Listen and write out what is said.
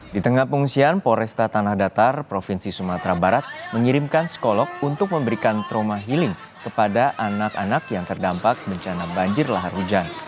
di tengah pengungsian polresta tanah datar provinsi sumatera barat mengirimkan psikolog untuk memberikan trauma healing kepada anak anak yang terdampak bencana banjir lahar hujan